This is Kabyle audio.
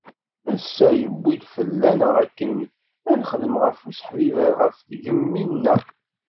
“Ass-a, yewwi-d fell-aneɣ akken ad nexdem ɣef useḥbiber ɣef tgemmi-nneɣ.